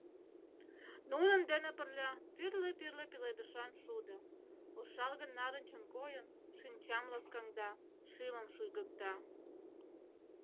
Нунын дене пырля тӱрлӧ-тӱрлӧ пеледышан шудо, ошалгын-нарынчын койын, шинчам ласкаҥда, шӱмым шуйгыкта.